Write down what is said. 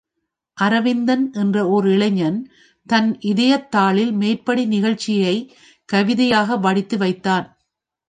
அரவிந்தன் என்ற ஓர் இளைஞன் தன் இதயத்தாளில் மேற்படி நிகழ்ச்சியைக் கவிதையாக வடித்து வைத்தான்.